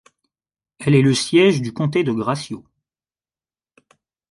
Elle est le siège du comté de Gratiot.